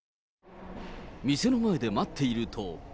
店の前で待っていると。